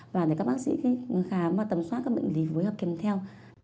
và để các bác sĩ khám và tầm soát các bệnh lý phối hợp kèm theo